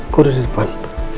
kok udah di depan